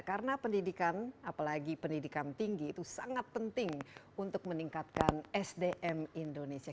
karena pendidikan apalagi pendidikan tinggi itu sangat penting untuk meningkatkan sdm indonesia